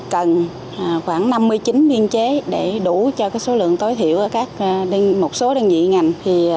cần khoảng năm mươi chín biên chế để đủ cho số lượng tối thiểu một số đơn vị ngành